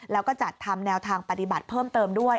แล้วก็จัดทำแนวทางปฏิบัติเพิ่มเติมด้วย